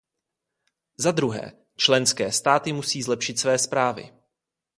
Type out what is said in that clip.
Za druhé, členské státy musí zlepšit své zprávy.